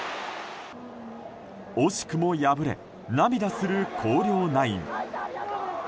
惜しくも敗れ涙する広陵ナイン。